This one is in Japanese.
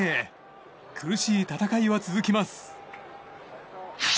苦しい戦いは続きます。